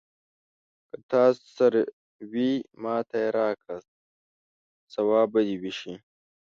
که تا سره څه وي، ماته يې راکړه ثواب به دې وشي.